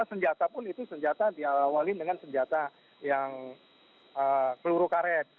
senjata pun itu senjata diawalin dengan senjata yang peluru karet